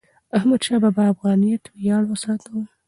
احمدشاه بابا د افغانیت ویاړ وساته.